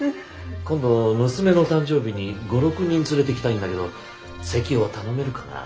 今度娘の誕生日に５６人連れてきたいんだけど席を頼めるかな？